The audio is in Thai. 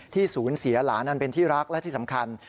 ศูนย์เสียหลานอันเป็นที่รักและที่สำคัญ